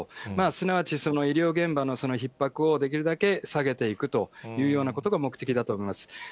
すなわち、医療現場のひっ迫をできるだけ下げていくということが目的だと思います。